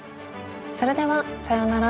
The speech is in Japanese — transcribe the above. それではさようなら！